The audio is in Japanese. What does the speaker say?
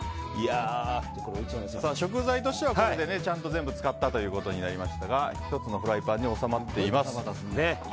食材としてはこれで全部使ったということになりますが１つのフライパンに収まっています。